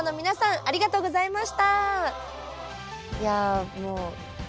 ありがとうございます。